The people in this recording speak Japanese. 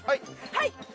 はい！